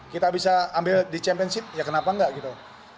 kita bisa ambil di championship ya kenapa enggak gitu